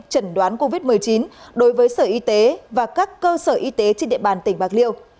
chẩn đoán covid một mươi chín đối với sở y tế và các cơ sở y tế trên địa bàn tỉnh bạc liêu